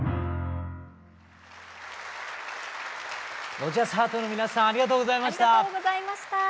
「ロジャース／ハート」の皆さんありがとうございました。